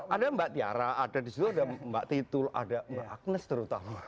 ada mbak tiara ada di situ ada mbak titul ada mbak agnes terutama